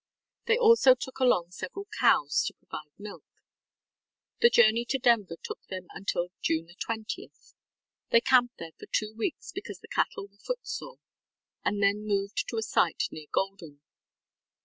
They also took along several cows to provide milk. The journey to Denver took them until June 20. They camped there for two weeks because the cattle were footsore, and then moved to a site near Golden.